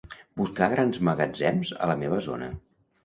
Buscar grans magatzems a la meva zona.